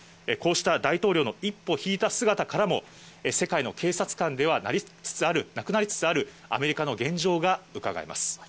こうした大統領の一歩引いた姿からも、世界の警察官ではなくなりつつある、アメリカの現状がうかがえます。